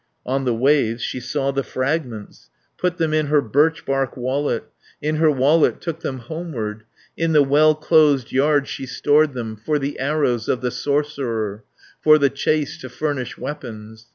210 On the waves she saw the fragments, Put them in her birchbark wallet, In her wallet took them homeward; In the well closed yard she stored them, For the arrows of the sorcerer, For the chase to furnish weapons.